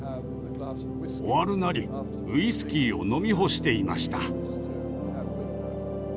終わるなりウイスキーを飲み干していました。